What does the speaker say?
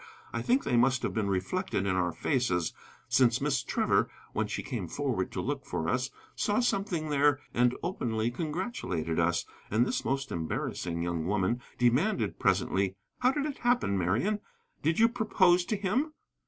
I think they must have been reflected in our faces, since Miss Trevor, when she came forward to look for us, saw something there and openly congratulated us. And this most embarrassing young woman demanded presently: "How did it happen, Marian? Did you propose to him?"